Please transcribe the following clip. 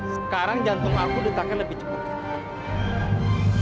sekarang jantung aku detaknya lebih cepat